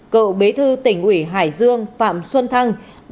cựu bí thư tỉnh ủy hải dương phạm xuân thăng